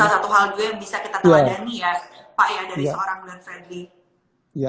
salah satu hal juga yang bisa kita telah dani ya